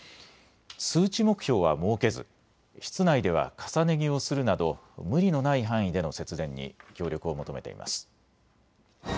数値目標は設けず室内では重ね着をするなど無理のない範囲での節電に協力を求めています。